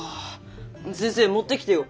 先生持ってきてよ！